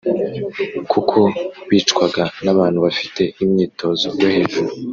kuko bicwaga n’abantu bafite imyitozo yo hejuru